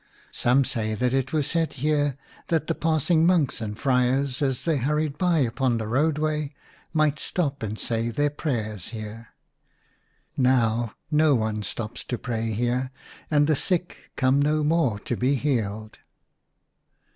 Some say that it was set here that the passing monks and friars, as they hurried by upon the roadway, might stop and say their prayers here. Now no one stops to pray here, and the sick come no more to be healed.